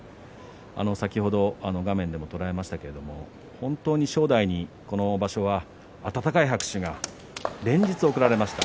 先ほど画面でも捉えましたけれども本当に正代にこの場所は温かい拍手が連日送られました。